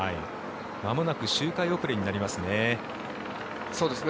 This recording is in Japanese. まもなく周回遅れになりますね。